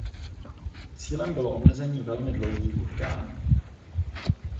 Cílem bylo omezení velmi dlouhých utkání.